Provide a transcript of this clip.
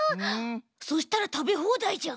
そしたらたべほうだいじゃん。